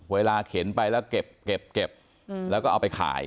เวลาเข็นไปแล้วเก็บเก็บเก็บแล้วก็เอาไปขาย